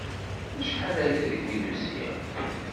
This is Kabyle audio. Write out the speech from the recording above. Acḥal-aya degmi d-usiɣ.